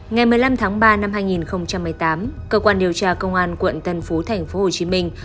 ngày một mươi năm tháng ba năm hai nghìn một mươi tám cơ quan điều tra công an quận tân phú thành phố hồ chí minh